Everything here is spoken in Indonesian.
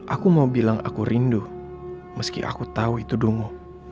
aku mau bilang aku rindu meski aku tahu itu dungu